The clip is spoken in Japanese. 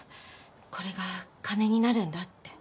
これが金になるんだって。